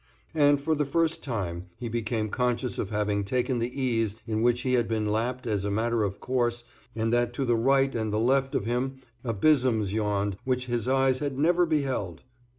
And for the first time he became conscious of having taken the ease in which he had been lapped as a matter of course and that to the right and the left of him abysms yawned which his eyes had never beheld.